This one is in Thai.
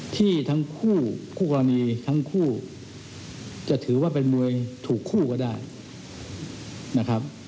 ที่ทั้งคู่คู่กรณีทั้งคู่จะถือว่าเป็นมวยถูกคู่ก็ได้นะครับ